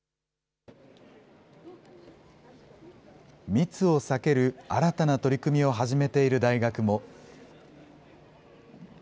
密を避ける新たな取り組みを始めている大学も。